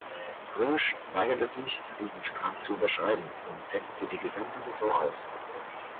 Roush weigerte sich, diesen Vertrag zu unterschreiben und setzte die gesamte Saison aus.